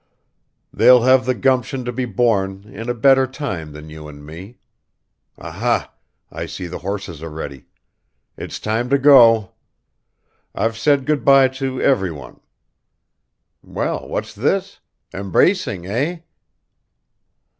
They'll have the gumption to be born in a better time than you and me. Aha! I see the horses are ready. It's time to go. I've said good by to everyone ... well, what's this? Embracing, eh?"